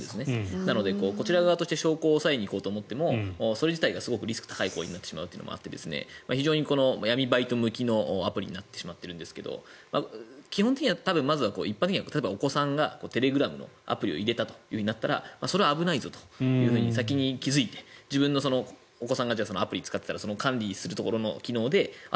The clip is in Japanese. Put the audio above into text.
なのでこちら側として証拠を押さえにいこうと思ってもリスクが高い行為になってしまって闇バイト向きのアプリになってしまっているんですが基本的には一般的にはお子さんがテレグラムのアプリを入れたとなったらそれは危ないぞというふうに先に気付いて自分のお子さんがアプリを使っていたら管理するところの機能であれ？